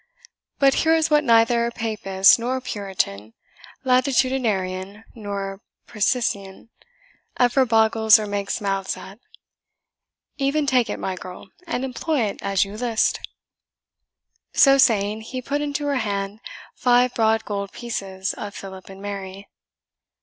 But here is what neither Papist nor Puritan, latitudinarian nor precisian, ever boggles or makes mouths at. E'en take it, my girl, and employ it as you list." So saying, he put into her hand five broad gold pieces of Philip and Mary.